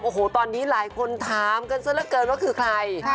โอ้โหตอนนี้หลายคนถามกันซะละเกินว่าคือใคร